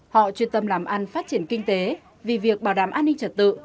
họ chuyên tâm làm ăn phát triển kinh tế vì việc bảo đảm an ninh trật tự